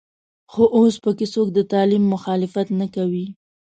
خو اوس په کې څوک د تعلیم مخالفت نه کوي.